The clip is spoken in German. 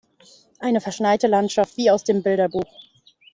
Eine verschneite Landschaft wie aus dem Bilderbuch.